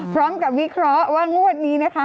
พร้อมกับวิเคราะห์ว่างวดนี้นะคะ